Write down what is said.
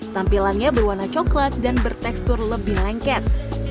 tampilannya berwarna coklat dan bertekstur lebih lengket